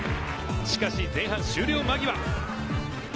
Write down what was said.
しかし前半終了間際。